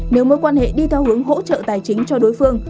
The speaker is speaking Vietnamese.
nếu mối quan hệ đi theo hướng hỗ trợ tài chính cho đối phương